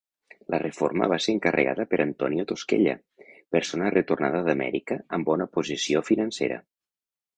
La reforma va ser encarregada per Antonio Tosquella, persona retornada d'Amèrica amb bona posició financera.